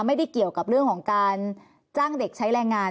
ไม่ได้เกี่ยวกับเรื่องของการจ้างเด็กใช้แรงงาน